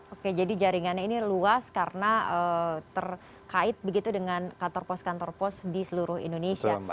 oke jadi jaringannya ini luas karena terkait begitu dengan kantor pos kantor pos di seluruh indonesia